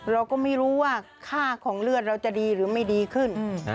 เราก็ไม่รู้ว่าค่าของเลือดเราจะดีหรือไม่ดีขึ้น